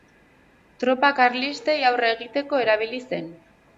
Tropa karlistei aurre egiteko erabili zen.